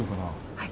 はい。